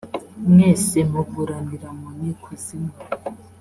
mwese muburanira mu nkiko zimwe